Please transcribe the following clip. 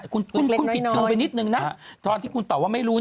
คุณผิดคิวไปนิดนึงนะตอนที่คุณตอบว่าไม่รู้